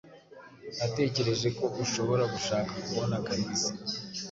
Natekereje ko ushobora gushaka kubona Kalisa.